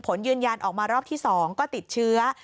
ผลยืนยันออกมารอบที่๒ก็ติดเชื้อ